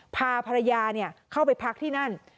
พาภรรยาเข้าไปพักที่นั่น